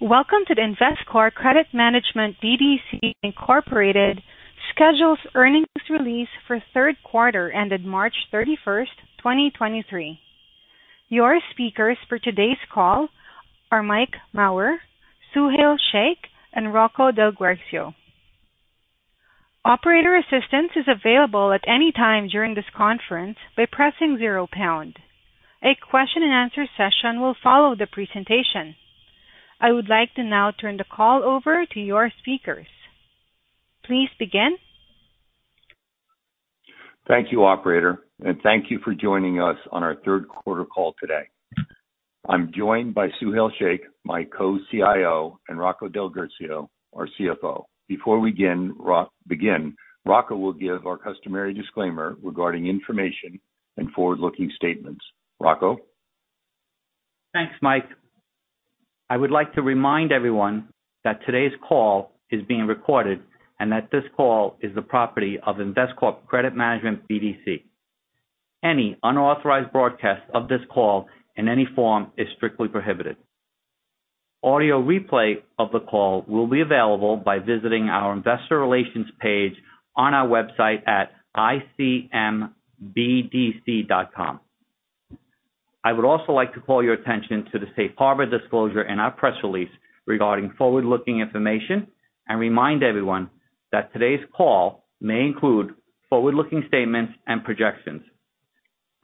Welcome to the Investcorp Credit Management BDC, Inc schedules earnings release for Q3 ended March 31st, 2023. Your speakers for today's call are Mike Mauer, Suhail Shaikh, and Rocco DelGuercio. Operator assistance is available at any time during this conference by pressing zero pound. A question-and-answer session will follow the presentation. I would like to now turn the call over to your speakers. Please begin. Thank you, operator, and thank you for joining us on our Q3 call today. I'm joined by Suhail Shaikh, my co-CIO, and Rocco DelGuercio, our CFO. Before we begin, Rocco will give our customary disclaimer regarding information and forward-looking statements. Rocco. Thanks, Mike. I would like to remind everyone that today's call is being recorded, and that this call is the property of Investcorp Credit Management BDC. Any unauthorized broadcast of this call in any form is strictly prohibited. Audio replay of the call will be available by visiting our investor relations page on our website at icmbdc.com. I would also like to call your attention to the safe harbor disclosure in our press release regarding forward-looking information and remind everyone that today's call may include forward-looking statements and projections.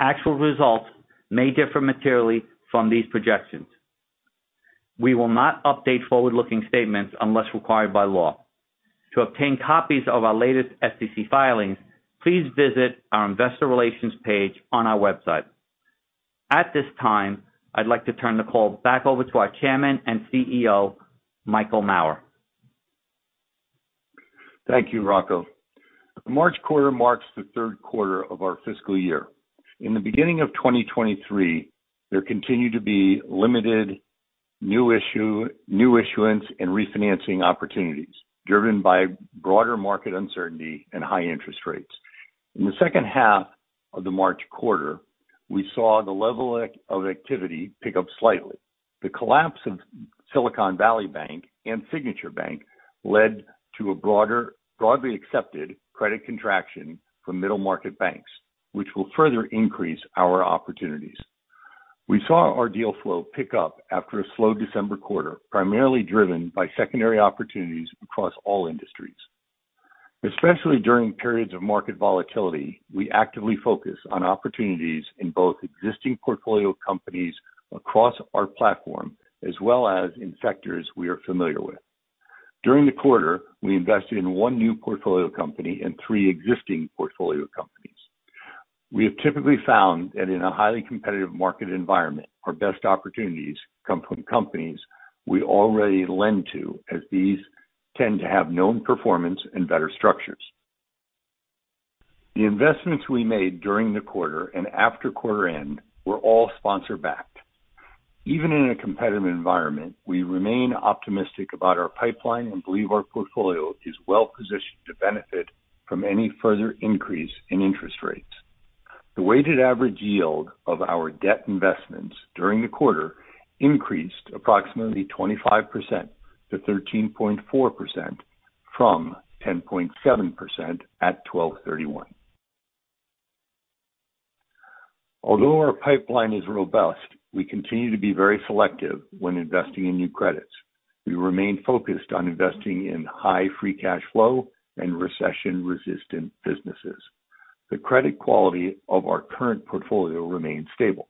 Actual results may differ materially from these projections. We will not update forward-looking statements unless required by law. To obtain copies of our latest SEC filings, please visit our investor relations page on our website. At this time, I'd like to turn the call back over to our Chairman and CEO, Michael Mauer. Thank you, Rocco. The March quarter marks the Q3 of our fiscal year. The beginning of 2023, there continued to be limited new issuance and refinancing opportunities, driven by broader market uncertainty and high interest rates. The H2 of the March quarter, we saw the level of activity pick up slightly. The collapse of Silicon Valley Bank and Signature Bank led to a broadly accepted credit contraction for middle market banks, which will further increase our opportunities. We saw our deal flow pick up after a slow December quarter, primarily driven by secondary opportunities across all industries. Especially during periods of market volatility, we actively focus on opportunities in both existing portfolio companies across our platform, as well as in sectors we are familiar with. During the quarter, we invested in one new portfolio company and three existing portfolio companies. We have typically found that in a highly competitive market environment, our best opportunities come from companies we already lend to, as these tend to have known performance and better structures. The investments we made during the quarter and after quarter end were all sponsor backed. Even in a competitive environment, we remain optimistic about our pipeline and believe our portfolio is well-positioned to benefit from any further increase in interest rates. The weighted average yield of our debt investments during the quarter increased approximately 25%-13.4% from 10.7% at 12/31. Although our pipeline is robust, we continue to be very selective when investing in new credits. We remain focused on investing in high free cash flow and recession-resistant businesses. The credit quality of our current portfolio remains stable.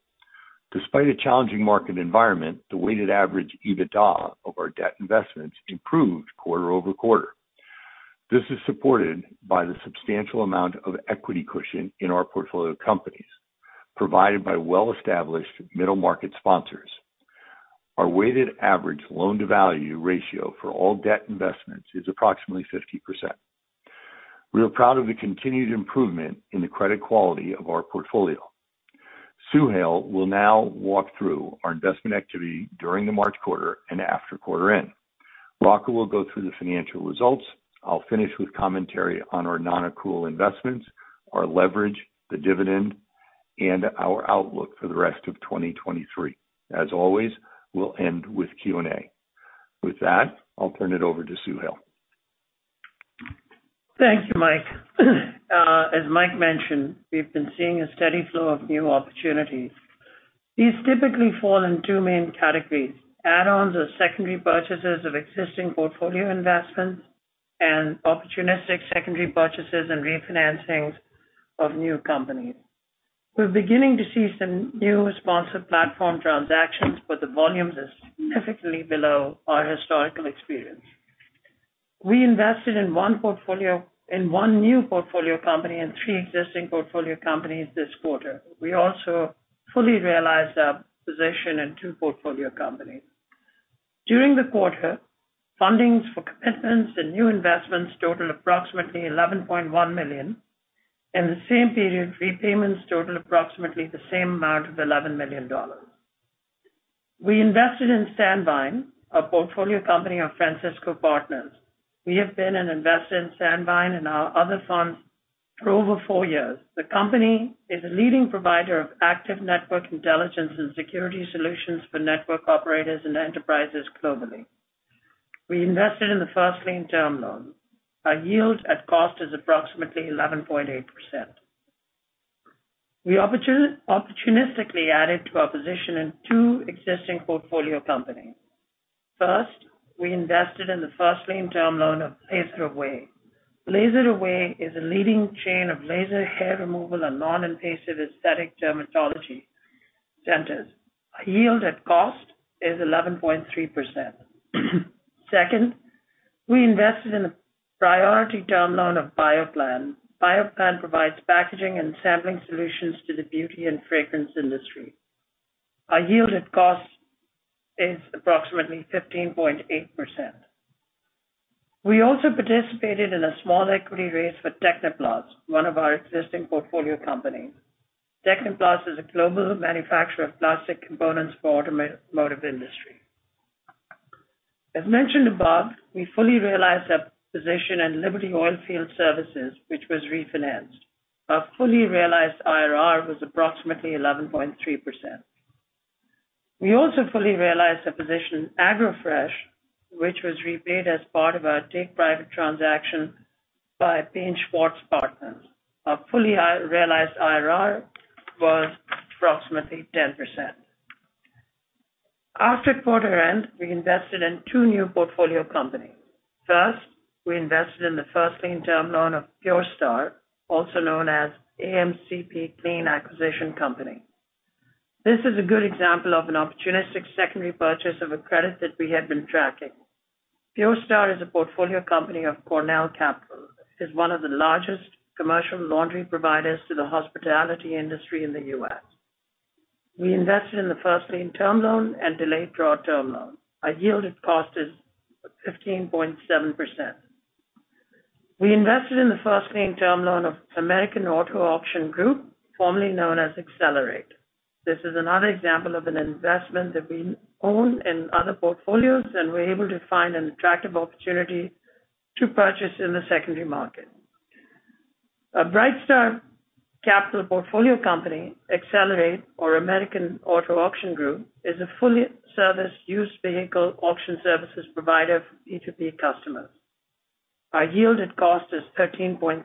Despite a challenging market environment, the weighted average EBITDA of our debt investments improved quarter-over-quarter. This is supported by the substantial amount of equity cushion in our portfolio companies, provided by well-established middle market sponsors. Our weighted average loan-to-value ratio for all debt investments is approximately 50%. We are proud of the continued improvement in the credit quality of our portfolio. Suhail will now walk through our investment activity during the March quarter and after quarter end. Rocco will go through the financial results. I'll finish with commentary on our non-accrual investments, our leverage, the dividend, and our outlook for the rest of 2023. As always, we'll end with Q&A. With that, I'll turn it over to Suhail. Thank you, Mike. As Mike mentioned, we've been seeing a steady flow of new opportunities. These typically fall in two main categories: add-ons or secondary purchases of existing portfolio investments and opportunistic secondary purchases and refinancings of new companies. We're beginning to see some new sponsored platform transactions, but the volume is significantly below our historical experience. We invested in one new portfolio company and three existing portfolio companies this quarter. We also fully realized our position in two portfolio companies. During the quarter, fundings for commitments and new investments totaled approximately $11.1 million. In the same period, repayments totaled approximately the same amount of $11 million. We invested in Sandvine, a portfolio company of Francisco Partners. We have been an investor in Sandvine. For over four years, the company is a leading provider of active network intelligence and security solutions for network operators and enterprises globally. We invested in the first lien term loan. Our yield at cost is approximately 11.8%. We opportunistically added to our position in two existing portfolio companies. First, we invested in the first lien term loan of LaserAway. LaserAway is a leading chain of laser hair removal and non-invasive aesthetic dermatology centers. Our yield at cost is 11.3%. Second, we invested in a priority term loan of Bioplan. Bioplan provides packaging and sampling solutions to the beauty and fragrance industry. Our yield at cost is approximately 15.8%. We also participated in a small equity raise for Techniplas, one of our existing portfolio companies. Techniplas is a global manufacturer of plastic components for automotive industry. As mentioned above, we fully realized our position in Liberty Oilfield Services, which was refinanced. Our fully realized IRR was approximately 11.3%. We also fully realized our position in AgroFresh, which was repaid as part of our take-private transaction by Paine Schwartz Partners. Our fully realized IRR was approximately 10%. After quarter end, we invested in two new portfolio companies. First, we invested in the first lien term loan of PureStar, also known as AMCP Clean Acquisition Company. This is a good example of an opportunistic secondary purchase of a credit that we had been tracking. PureStar is a portfolio company of Cornell Capital. It is one of the largest commercial laundry providers to the hospitality industry in the U.S. We invested in the first lien term loan and delayed draw term loan. Our yield at cost is 15.7%. We invested in the first lien term loan of America's Auto Auction, formerly known as XLerate Group. This is another example of an investment that we own in other portfolios, and we're able to find an attractive opportunity to purchase in the secondary market. A Brightstar Capital Partners portfolio company, XLerate Group or America's Auto Auction, is a fully serviced used vehicle auction services provider for B2B customers. Our yield at cost is 13.3%.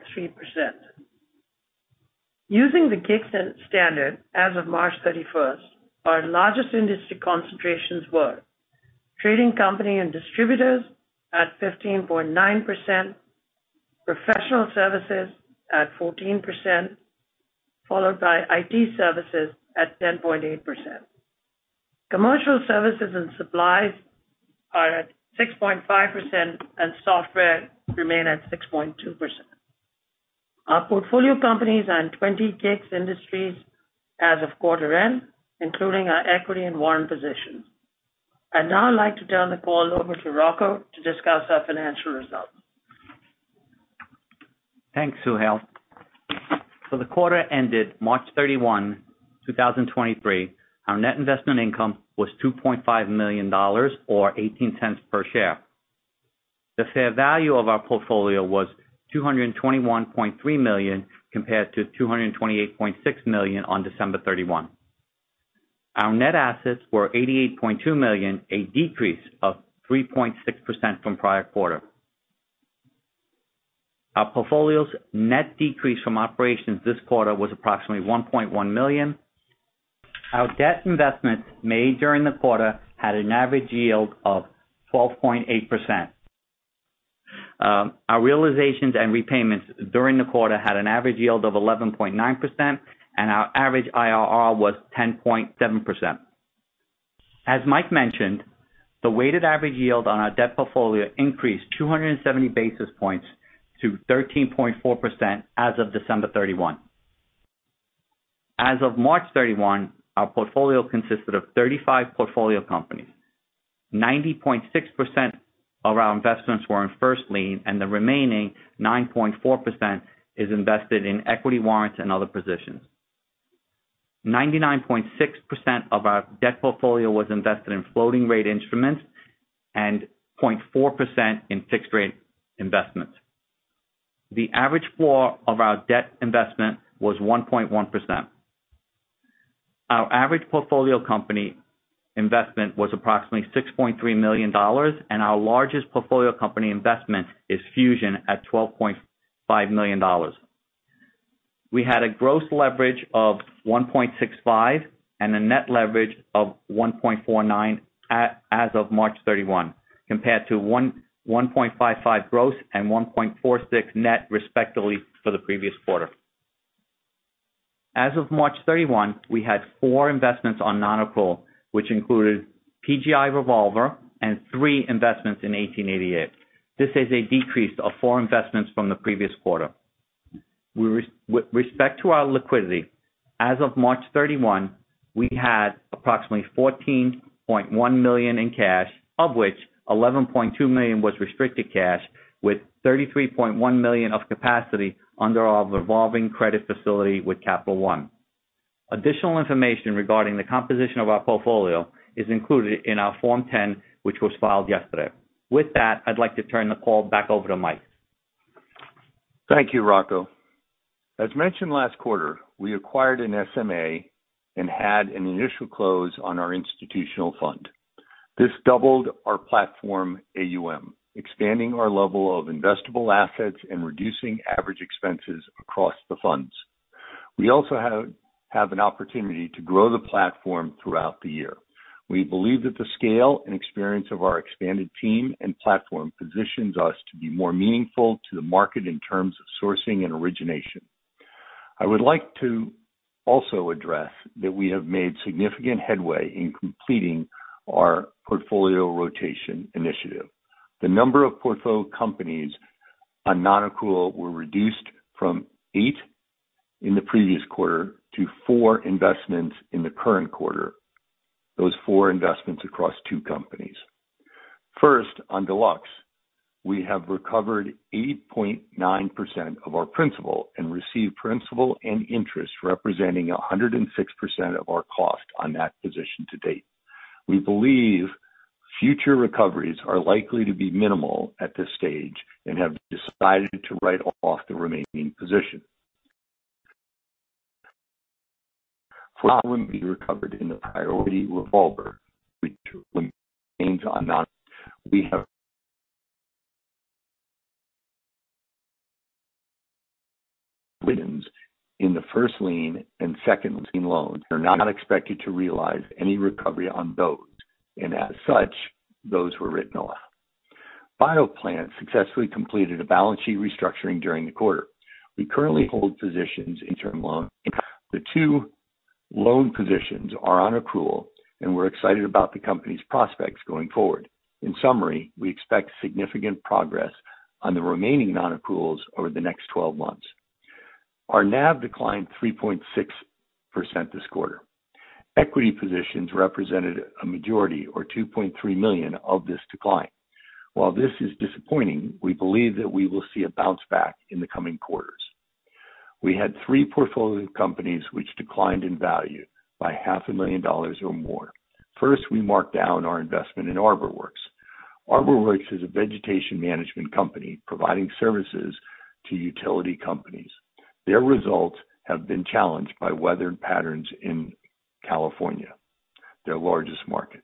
Using the GICS standard as of March 31st, our largest industry concentrations were trading company and distributors at 15.9%, professional services at 14%, followed by IT services at 10.8%. Commercial services and supplies are at 6.5%, and software remain at 6.2%. Our portfolio companies are in 20 GICS industries as of quarter end, including our equity and warrant positions. I'd now like to turn the call over to Rocco to discuss our financial results. Thanks, Suhail. For the quarter ended March 31, 2023, our net investment income was $2.5 million or $0.18 per share. The fair value of our portfolio was $221.3 million compared to $228.6 million on December 31. Our net assets were $88.2 million, a decrease of 3.6% from prior quarter. Our portfolio's net decrease from operations this quarter was approximately $1.1 million. Our debt investments made during the quarter had an average yield of 12.8%. Our realizations and repayments during the quarter had an average yield of 11.9%, and our average IRR was 10.7%. As Mike mentioned, the weighted average yield on our debt portfolio increased 270 basis points to 13.4% as of December 31. As of March 31, our portfolio consisted of 35 portfolio companies. 90.6% of our investments were in first lien, and the remaining 9.4% is invested in equity warrants and other positions. 99.6% of our debt portfolio was invested in floating rate instruments and 0.4% in fixed rate investments. The average floor of our debt investment was 1.1%. Our average portfolio company investment was approximately $6.3 million, and our largest portfolio company investment is Fusion at $12.5 million. We had a gross leverage of 1.65x and a net leverage of 1.49x as of March 31, compared to 1.55x gross and 1.46x net respectively for the previous quarter. As of March 31, we had four investments on non-accrual, which included PGi revolver and three investments in 1888. This is a decrease of four investments from the previous quarter. With respect to our liquidity, as of March 31, we had approximately $14.1 million in cash, of which $11.2 million was restricted cash with $33.1 million of capacity under our revolving credit facility with Capital One. Additional information regarding the composition of our portfolio is included in our Form 10-Q, which was filed yesterday. I'd like to turn the call back over to Mike. Thank you, Rocco. As mentioned last quarter, we acquired an SMA and had an initial close on our institutional fund. This doubled our platform AUM, expanding our level of investable assets and reducing average expenses across the funds. We also have an opportunity to grow the platform throughout the year. We believe that the scale and experience of our expanded team and platform positions us to be more meaningful to the market in terms of sourcing and origination. I would like to also address that we have made significant headway in completing our portfolio rotation initiative. The number of portfolio companies on non-accrual were reduced from eight in the previous quarter to four investments in the current quarter. Those four investments across two companies. First, on Deluxe, we have recovered 80.9% of our principal and received principal and interest, representing 106% of our cost on that position to date. We believe future recoveries are likely to be minimal at this stage and have decided to write off the remaining position. In the first lien and second lien loans are not expected to realize any recovery on those, and as such, those were written off. Bioplan successfully completed a balance sheet restructuring during the quarter. We currently hold positions in the term loan. The two loan positions are on accrual, and we're excited about the company's prospects going forward. In summary, we expect significant progress on the remaining non-accruals over the next 12 months. Our NAV declined 3.6% this quarter. Equity positions represented a majority or $2.3 million of this decline. While this is disappointing, we believe that we will see a bounce back in the coming quarters. We had three portfolio companies which declined in value by $500,000 or more. First, we marked down our investment in ArborWorks. ArborWorks is a vegetation management company providing services to utility companies. Their results have been challenged by weather patterns in California, their largest market.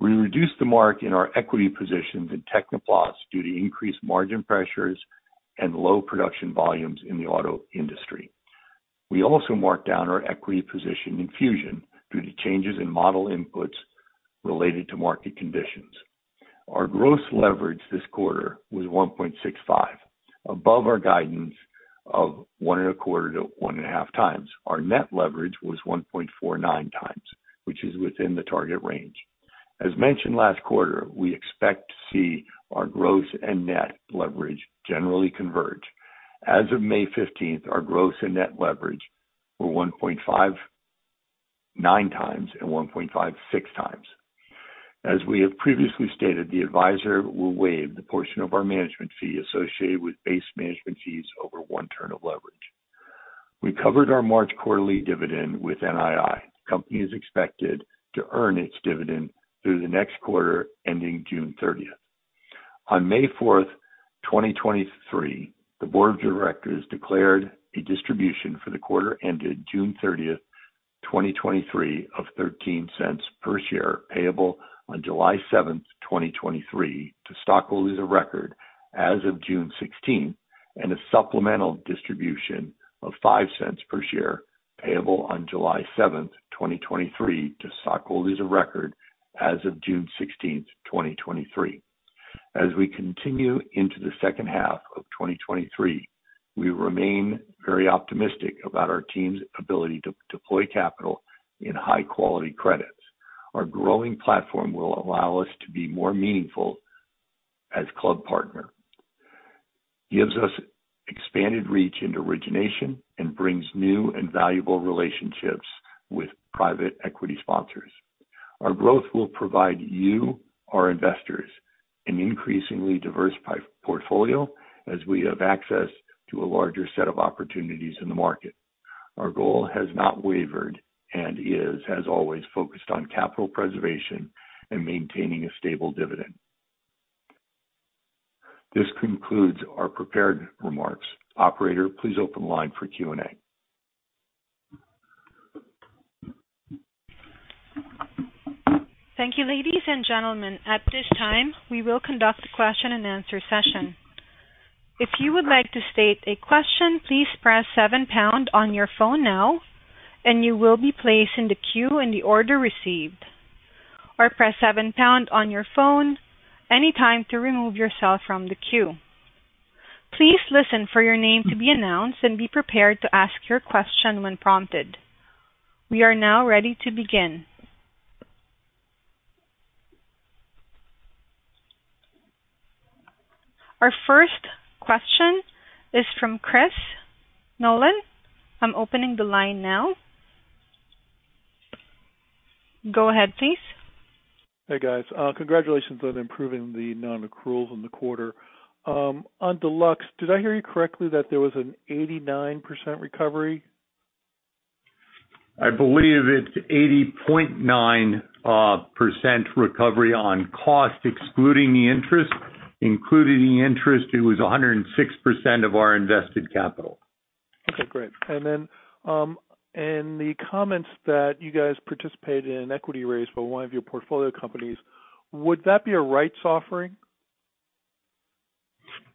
We reduced the mark in our equity positions in Techniplas due to increased margin pressures and low production volumes in the auto industry. We also marked down our equity position in Fusion due to changes in model inputs related to market conditions. Our gross leverage this quarter was 1.65x, above our guidance of 1.25x-1.5x. Our net leverage was 1.49x, which is within the target range. As mentioned last quarter, we expect to see our gross and net leverage generally converge. As of May 15th, our gross and net leverage were 1.59x and 1.56x. As we have previously stated, the advisor will waive the portion of our management fee associated with base management fees over one turn of leverage. We covered our March quarterly dividend with NII. Company is expected to earn its dividend through the next quarter, ending June 30th. On May 4th, 2023, the board of directors declared a distribution for the quarter ended June 30th, 2023 of $0.13 per share, payable on July 7th, 2023 to stockholders of record as of June 16th, and a supplemental distribution of $0.05 per share payable on July 7th, 2023 to stockholders of record as of June 16th, 2023. As we continue into the H2 of 2023, we remain very optimistic about our team's ability to deploy capital in high-quality credits. Our growing platform will allow us to be more meaningful as club partner. Gives us expanded reach into origination and brings new and valuable relationships with private equity sponsors. Our growth will provide you, our investors, an increasingly diversified portfolio as we have access to a larger set of opportunities in the market. Our goal has not wavered and has always focused on capital preservation and maintaining a stable dividend. This concludes our prepared remarks. Operator, please open the line for Q&A. Thank you, ladies and gentlemen. At this time, we will conduct a question and answer session. If you would like to state a question, please press seven pound on your phone now and you will be placed in the queue in the order received. Or press seven pound on your phone anytime to remove yourself from the queue. Please listen for your name to be announced and be prepared to ask your question when prompted. We are now ready to begin. Our first question is from Chris Nolan. I'm opening the line now. Go ahead, please. Hey guys, congratulations on improving the non-accruals in the quarter. On Deluxe, did I hear you correctly that there was an 89% recovery? I believe it's 80.9% recovery on cost excluding the interest. Including the interest, it was 106% of our invested capital. Okay, great. In the comments that you guys participated in an equity raise for one of your portfolio companies, would that be a rights offering?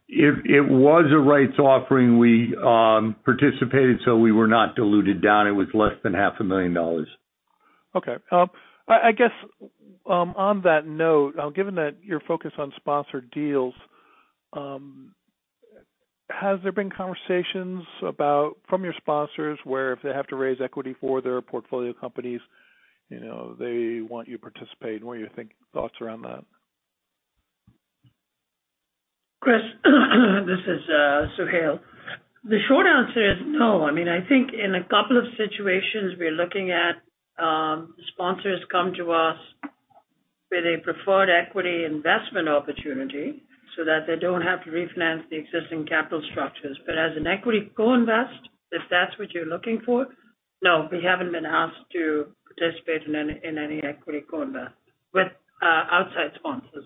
It was a rights offering. We participated, so we were not diluted down. It was less than $500,000. Okay. I guess, on that note, given that you're focused on sponsored deals, has there been conversations about from your sponsors where if they have to raise equity for their portfolio companies, you know, they want you to participate? What are your thoughts around that? Chris, this is Suhail. The short answer is no. I mean, I think in a couple of situations, we're looking at sponsors come to us with a preferred equity investment opportunity so that they don't have to refinance the existing capital structures. As an equity co-invest, if that's what you're looking for? No, we haven't been asked to participate in any equity co-invest with outside sponsors.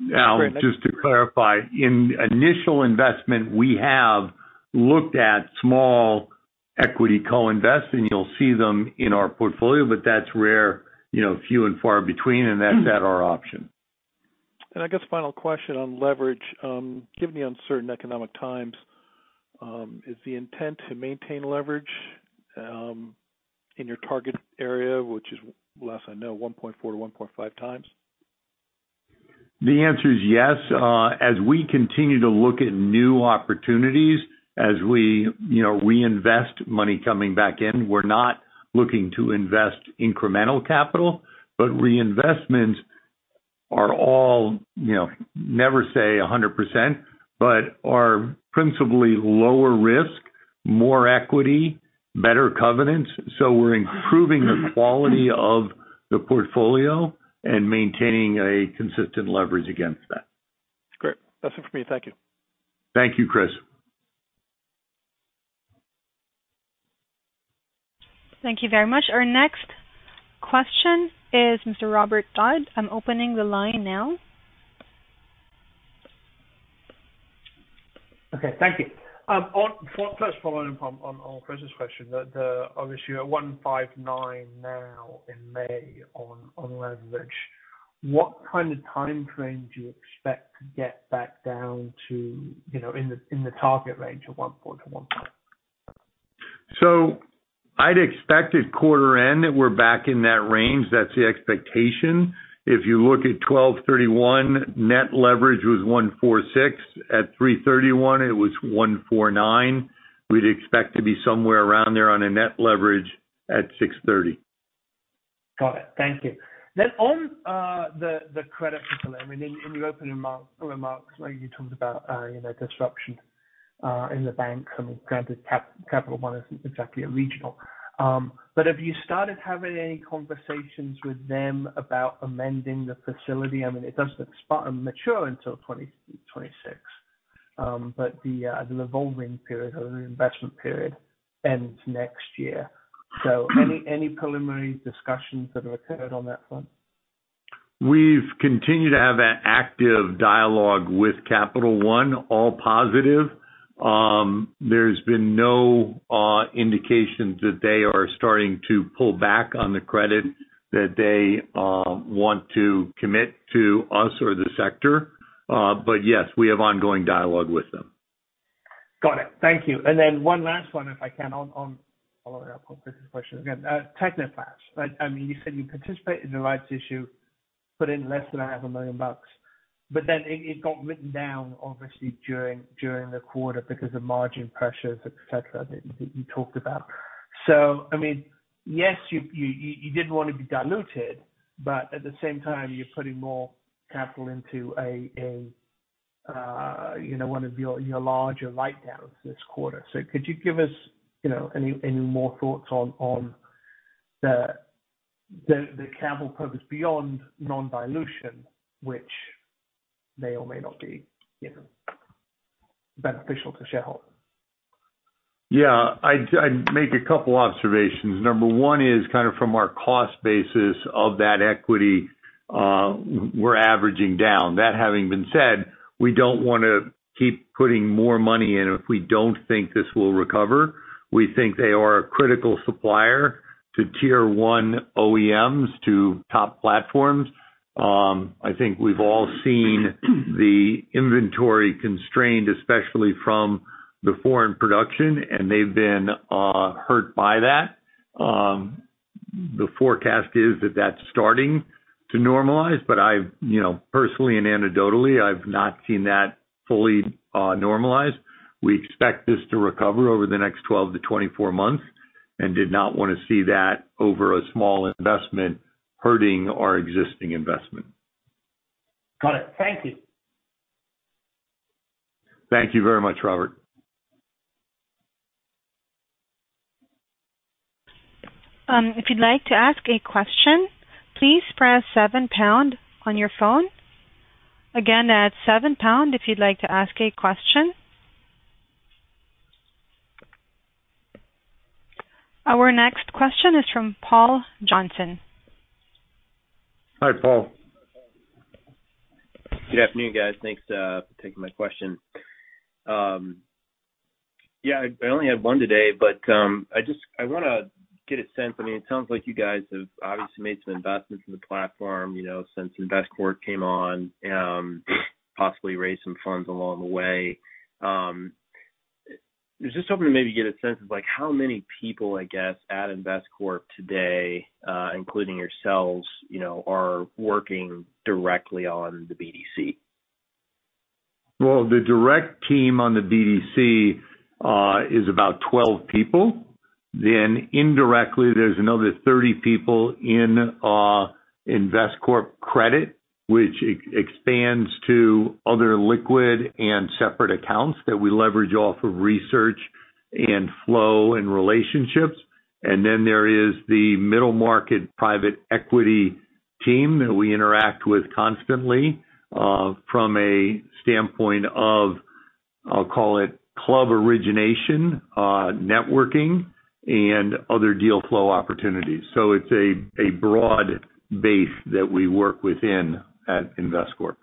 Just to clarify. In initial investment, we have looked at small equity co-invest, and you'll see them in our portfolio, but that's rare, you know, few and far between, and that's at our option. I guess final question on leverage. Given the uncertain economic times, is the intent to maintain leverage in your target area, which is last I know, 1.4x-1.5x? The answer is yes. As we continue to look at new opportunities, as we, you know, reinvest money coming back in, we're not looking to invest incremental capital, but reinvestments are all, you know, never say 100%, but are principally lower risk, more equity, better covenants. We're improving the quality of the portfolio and maintaining a consistent leverage against that. Great. That's it for me. Thank you. Thank you, Chris. Thank you very much. Our next question is Mr. Robert Dodd. I'm opening the line now. Okay. Thank you. First following up on Chris' question, the obviously you're at 1.59x now in May on leverage. What kind of time frame do you expect to get back down to, you know, in the target range of 1.15x? I'd expect at quarter end that we're back in that range. That's the expectation. If you look at 12/31, net leverage was 1.46x. At 3/31, it was 1.49x. We'd expect to be somewhere around there on a net leverage at 6/30. Got it. Thank you. On the credit facility, I mean, in your opening remarks, like you talked about, you know, disruption in the banks and granted Capital One isn't exactly a regional. Have you started having any conversations with them about amending the facility? I mean, it doesn't spot and mature until 2026. The revolving period or the investment period ends next year. Any preliminary discussions that have occurred on that front? We've continued to have an active dialogue with Capital One, all positive. There's been no indications that they are starting to pull back on the credit that they want to commit to us or the sector. Yes, we have ongoing dialogue with them. Got it. Thank you. One last one, if I can, on following up on Chris' question again. Techniplas. I mean, you said you participated in the rights issue, put in less than $500,000. It got written down obviously during the quarter because of margin pressures, et cetera, that you talked about. I mean, yes, you did want to be diluted, but at the same time, you're putting more capital into a, you know, one of your larger write-downs this quarter. Could you give us, you know, any more thoughts on the capital purpose beyond non-dilution, which may or may not be, you know, beneficial to shareholders? Yeah. I'd make a couple observations. Number one is kind of from our cost basis of that equity, we're averaging down. That having been said, we don't wanna keep putting more money in if we don't think this will recover. We think they are a critical supplier to Tier 1 OEMs, to top platforms. I think we've all seen the inventory constrained, especially from the foreign production, and they've been hurt by that. The forecast is that that's starting to normalize, but I've, you know, personally and anecdotally, I've not seen that fully normalized. We expect this to recover over the next 12 to 24 months and did not wanna see that over a small investment hurting our existing investment. Got it. Thank you. Thank you very much, Robert. If you'd like to ask a question, please press seven pound on your phone. Again, that's seven pound if you'd like to ask a question. Our next question is from Paul Johnson. Hi, Paul. Good afternoon, guys. Thanks for taking my question. Yeah, I only have one today, but I wanna get a sense. I mean, it sounds like you guys have obviously made some investments in the platform, you know, since Investcorp came on, possibly raised some funds along the way. I was just hoping to maybe get a sense of, like, how many people, I guess, at Investcorp today, including yourselves, you know, are working directly on the BDC? Well, the direct team on the BDC is about 12 people. Indirectly, there's another 30 people in Investcorp Credit, which expands to other liquid and separate accounts that we leverage off of research and flow and relationships. There is the middle market private equity team that we interact with constantly, from a standpoint of, I'll call it club origination, networking, and other deal flow opportunities. It's a broad base that we work within at Investcorp.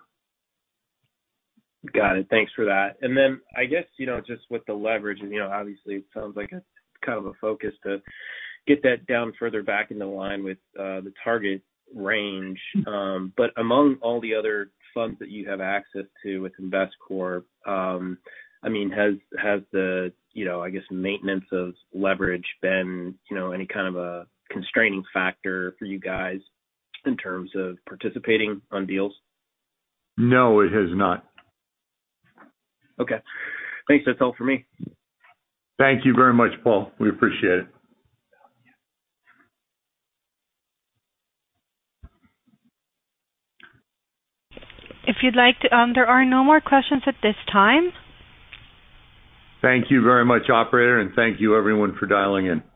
Got it. Thanks for that. I guess, you know, just with the leverage, you know, obviously it sounds like it's kind of a focus to get that down further back into line with the target range. Among all the other funds that you have access to with Investcorp, I mean, has the, you know, I guess, maintenance of leverage been, you know, any kind of a constraining factor for you guys in terms of participating on deals? No, it has not. Okay. Thanks. That's all for me. Thank you very much, Paul. We appreciate it. If you'd like to... there are no more questions at this time. Thank you very much, operator, and thank you everyone for dialing in.